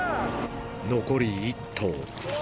残り１頭。